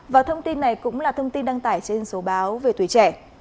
và thông tin này cũng là thông tin đăng tải trên số báo về tuổi trẻ